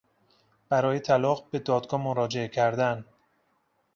برای طلاق به دادگاه مراجعه کردن